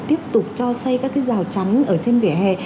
tiếp tục cho xây các cái rào chắn ở trên vỉa hè